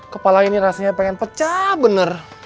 kepala ini rasanya pengen pecah bener